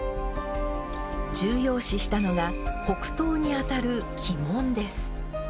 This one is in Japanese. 重要視したのが北東にあたる「鬼門」です。